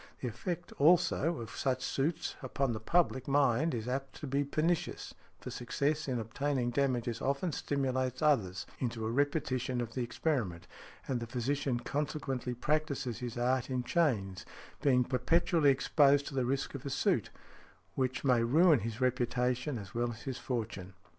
The effect, also, of such suits upon the public mind is apt to be pernicious, for success in obtaining damages often stimulates others into a repetition of the experiment, and the physician consequently practises his art in chains, being perpetually exposed to the risk of a suit, which may ruin his reputation as well as his fortune.